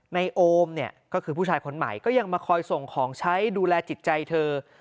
โอมเนี่ยก็คือผู้ชายคนใหม่ก็ยังมาคอยส่งของใช้ดูแลจิตใจเธอ